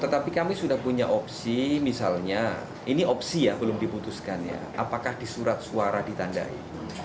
tetapi kami sudah punya opsi misalnya ini opsi ya belum diputuskan ya apakah di surat suara ditandai